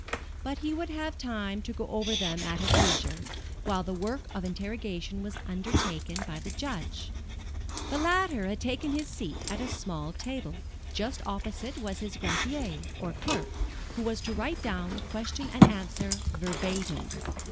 But he would have time to go over them at his leisure, while the work of interrogation was undertaken by the Judge. The latter had taken his seat at a small table, and just opposite was his greffier, or clerk, who was to write down question and answer, verbatim.